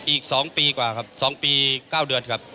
อีก๒ปีกว่าครับ๒ปี๙เดือนครับ